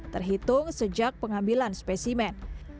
terhitung sejak pengambilan spesimen